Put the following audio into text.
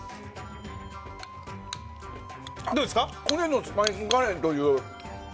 これぞスパイスカレーという。